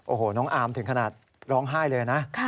โอ้โหน้องอาร์มถึงขนาดร้องไห้เลยนะ